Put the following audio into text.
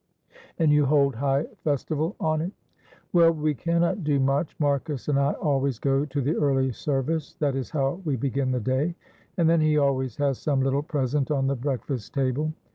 "And you hold high festival on it?" "Well, we cannot do much. Marcus and I always go to the early service, that is how we begin the day, and then he always has some little present on the breakfast table.